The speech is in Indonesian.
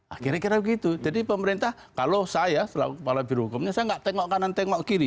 akhirnya begitu jadi pemerintah kalau saya selaku kepala birohukumnya saya nggak tengok kanan tengok kiri